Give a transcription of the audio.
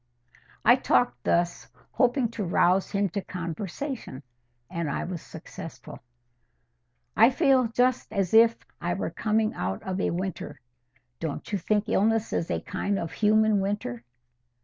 I talked thus, hoping to rouse him to conversation, and I was successful. "I feel just as if I were coming out of a winter. Don't you think illness is a kind of human winter?"